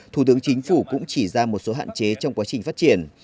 thủ tướng chính phủ cũng chỉ ra một số hạn chế trong quá trình phát triển